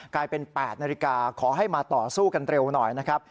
กลายเป็น๘นาฬิกาขอให้มาต่อสู้กันเร็วหน่อยนะครับ